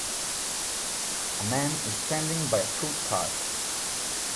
A man is standing by a fruit cart.